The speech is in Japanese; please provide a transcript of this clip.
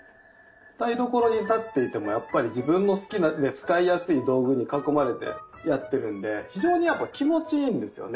台所に立っていてもやっぱり自分の好きな使いやすい道具に囲まれてやってるんで非常にやっぱ気持ちいいんですよね。